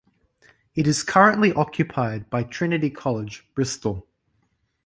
It is currently occupied by Trinity College, Bristol.